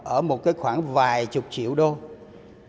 ở một cái khoảng vài chục triệu đồng